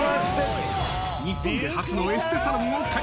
［日本で初のエステサロンを開業］